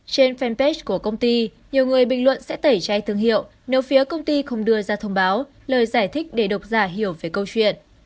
trên fanpage của công ty nhiều người bình luận sẽ tẩy chay thương hiệu nếu phía công ty không đưa ra thông báo lời giải thích để độc giả hiểu về câu chuyện